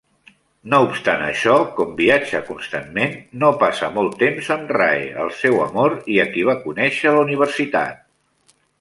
No obstant això, com viatja constantment no passa molt temps amb Rae, el seu amor i a qui va conèixer a la universitat.